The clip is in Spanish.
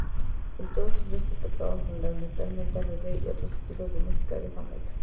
En todos ellos se tocaba fundamentalmente reggae y otros estilos de música de Jamaica.